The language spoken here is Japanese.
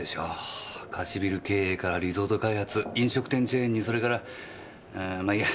貸しビル経営からリゾート開発飲食店チェーンにそれからあーまあいいや。